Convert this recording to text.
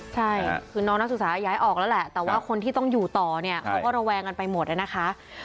ใช่คือน้องนักศึกษาย้ายออกแล้วแหละแต่ว่าคนที่ต้องอยู่ต่อเนี่ยเขาก็ระแวงกันไปหมดนะคะ